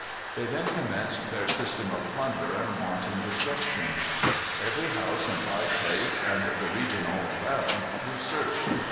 They then commenced their system of plunder and wanton destruction. Every house and by place, and the region all around, were searched.